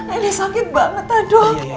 ini sakit banget aduh